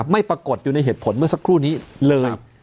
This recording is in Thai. ไม่ปรากฏอยู่ในเหตุผลเมื่อสักครู่นี้เลย